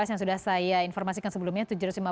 yang sudah saya informasikan sebelumnya